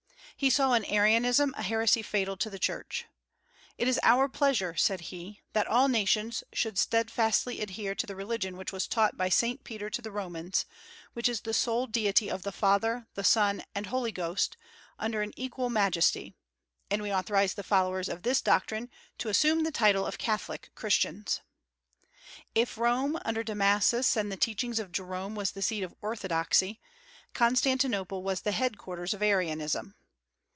He saw in Arianism a heresy fatal to the Church. "It is our pleasure," said he, "that all nations should steadfastly adhere to the religion which was taught by Saint Peter to the Romans, which is the sole Deity of the Father, the Son, and Holy Ghost, under an equal majesty; and we authorize the followers of this doctrine to assume the title of Catholic Christians." If Rome under Damasus and the teachings of Jerome was the seat of orthodoxy, Constantinople was the headquarters of Arianism.